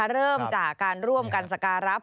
เริ่มจากการร่วมกันสการะ